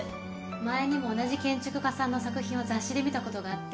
前にも同じ建築家さんの作品を雑誌で見たことがあって